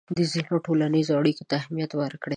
خپلو ټولنیزو اړیکو ته اهمیت ورکړئ.